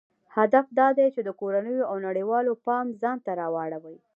هدف دا دی چې د کورنیو او نړیوالو پام ځانته راواړوي.